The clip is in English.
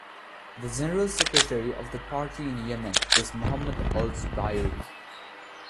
The general secretary of the party in Yemen is Mohammed Al-Zubairy.